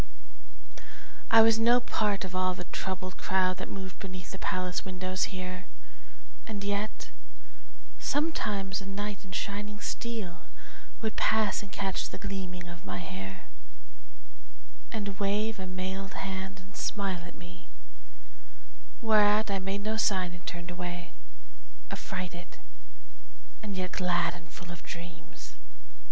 I was no part of all the troubled crowd That moved beneath the palace windows here, And yet sometimes a knight in shining steel Would pass and catch the gleaming of my hair, And wave a mailed hand and smile at me, Whereat I made no sign and turned away, Affrighted and yet glad and full of dreams.